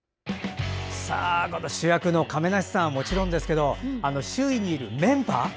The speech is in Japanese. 主役の亀梨さんはもちろんですけど周囲にいるメンバー。